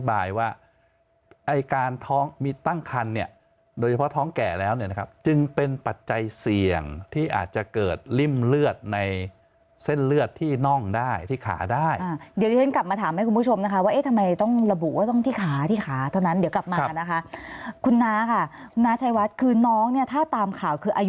ว่าไอ้การท้องมีตั้งคันเนี่ยโดยเฉพาะท้องแก่แล้วเนี่ยนะครับจึงเป็นปัจจัยเสี่ยงที่อาจจะเกิดริ่มเลือดในเส้นเลือดที่น่องได้ที่ขาได้เดี๋ยวที่ฉันกลับมาถามให้คุณผู้ชมนะคะว่าเอ๊ะทำไมต้องระบุว่าต้องที่ขาที่ขาเท่านั้นเดี๋ยวกลับมานะคะคุณน้าค่ะคุณน้าชายวัดคือน้องเนี่ยถ้าตามข่าวคืออายุ